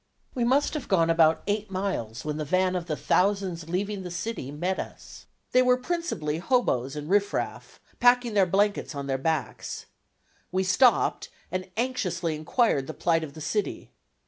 We must have gone about eight miles when the van of the thousands leaving the city met us. They were principally hobos and riffraff, packing their blankets on their backs. We stopped and anxiously inquired the plight of the city.